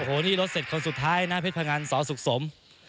โอ้โหนี่รถเสร็จคนสุดท้ายนะเพชรพงันสอสุขสม